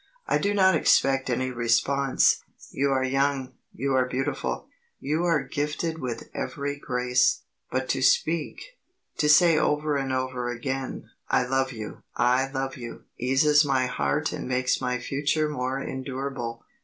I do not expect any response; you are young; you are beautiful; you are gifted with every grace; but to speak, to say over and over again, 'I love you, I love you!' eases my heart and makes my future more endurable.